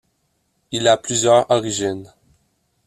Il a plusieurs origines.